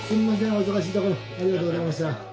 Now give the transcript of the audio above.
お忙しいところありがとうございました。